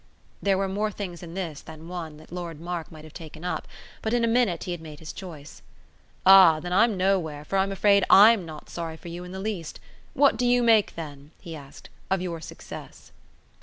There were more things in this than one that Lord Mark might have taken up; but in a minute he had made his choice. "Ah then I'm nowhere, for I'm afraid I'M not sorry for you in the least. What do you make then," he asked, "of your success?"